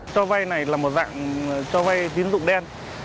cho vay này là một dạng cho vay tín dụng đen